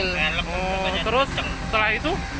oh terus setelah itu